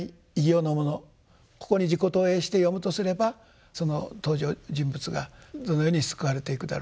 ここに自己投影して読むとすればその登場人物がどのように救われていくだろうかと。